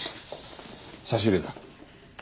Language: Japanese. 差し入れだ。